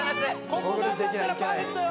ここ頑張ったらパーフェクトよ・